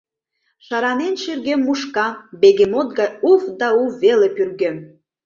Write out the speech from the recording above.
Шыранен шӱргем мушкам, бегемот гай уф да уф веле пӱргем.